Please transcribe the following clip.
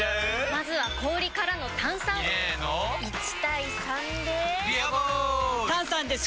まずは氷からの炭酸！入れの１：３で「ビアボール」！